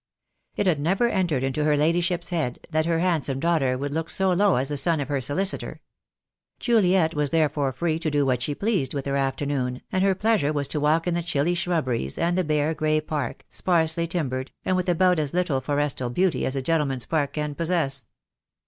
It had never entered into her ladyship's head that her handsome daughter would look so low as the son of her solicitor. Juliet was therefore free to do what she pleased with her afternoon, and her pleasure was to walk in the chilly shrubberies, and the bare grey park, sparsely timbered, and with about as little forestal beauty as a gentleman's park can possess.